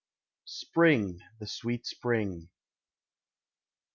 SPRING, THE SWEET SPRING.